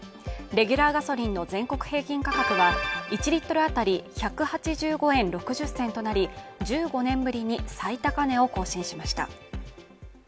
レギュラーガソリンの全国平均価格は１リットル当たり１８５円６０銭となり１５年ぶりに最高値を更新しました。